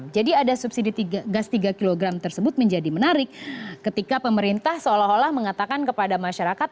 jadi ada subsidi gas tiga kg tersebut menjadi menarik ketika pemerintah seolah olah mengatakan kepada masyarakat